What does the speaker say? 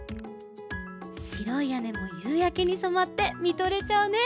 しろいやねもゆうやけにそまってみとれちゃうね。